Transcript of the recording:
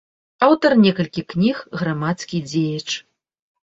Аўтар некалькіх кніг, грамадскі дзеяч.